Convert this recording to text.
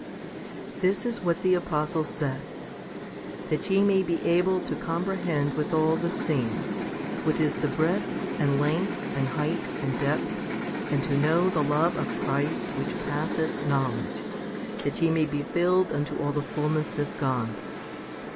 5. This is what the apostle says, That ye may be able to comprehend with all the saints, what is the breadth, and length, and height, and depth, and to know the love of Christ which passeth knowledge, that ye may be filled unto all the fulness of God.